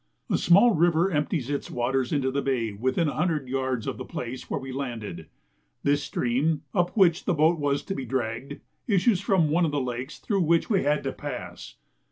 A small river empties its waters into the Bay within a hundred yards of the place where we landed: this stream, up which the boat was to be dragged, issues from one of the lakes through which we had to pass.